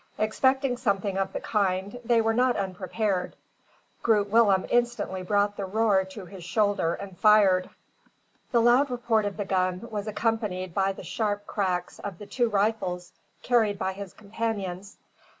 Expecting something of the kind, they were not unprepared. Groot Willem instantly brought the roer to his shoulder and fired. The loud report of the gun was accompanied by the sharp cracks of the two rifles carried by his companions.